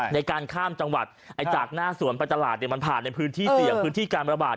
ในการข้ามจังหวัดจากหน้าสวนประจาราชมันผ่านในพื้นที่เสียพื้นที่การบริบาท